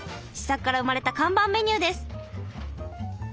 試作から生まれた看板メニューです。